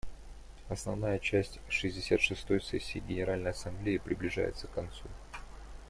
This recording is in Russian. Основная часть шестьдесят шестой сессии Генеральной Ассамблеи приближается к концу.